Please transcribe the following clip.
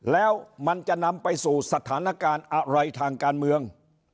แล้วมันจะนำไปสู่สถานการณ์อะไรทางการเมือง